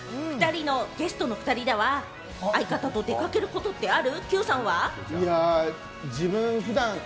ゲストの２人は相方と出かけることってある？